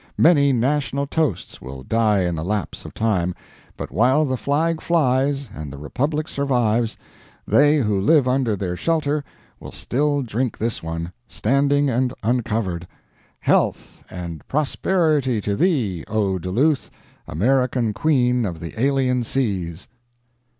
Many national toasts will die in the lapse of time, but while the flag flies and the Republic survives, they who live under their shelter will still drink this one, standing and uncovered: Health and prosperity to Thee, O Duluth, American Queen of the Alien Seas!